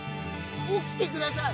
起きてください！